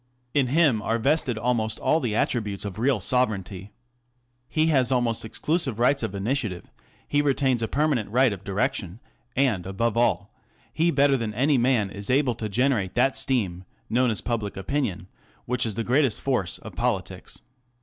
In him are vested almost all the attributes of real sovereignty. He has almost exclusive rights of initiative ; he retains a permanent right of direction ; and, above all, he better than any man is able to generate that steam, known as public opinion, which is the greatest force of politics.